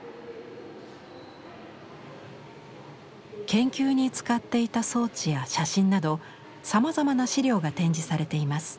研究に使っていた装置や写真などさまざまな資料が展示されています。